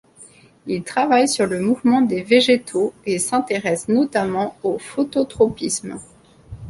Il travaille sur le mouvement des végétaux et s’intéresse notamment au phototropisme.